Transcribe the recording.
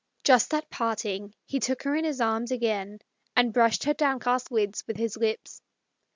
Just at parting, he took her in his arms again, and brushed her down cast lids with his lips.